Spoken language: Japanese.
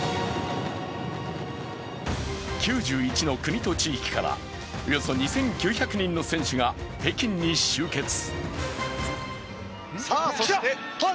９１の国と地域からおよそ２９００人の選手が北京に集結。